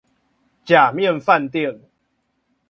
假面飯店